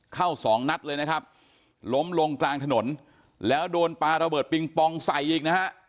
สองนัดเลยนะครับล้มลงกลางถนนแล้วโดนปลาระเบิดปิงปองใส่อีกนะฮะ